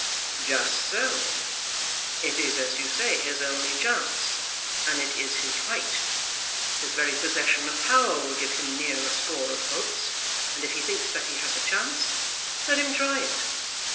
"Just so. It is, as you say, his only chance, and it is his right. His very possession of power will give him near a score of votes, and if he thinks that he has a chance, let him try it.